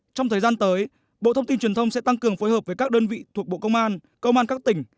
trong thời gian tới bộ thông tin truyền thông sẽ tăng cường phối hợp với các đơn vị thuộc bộ công an công an các tỉnh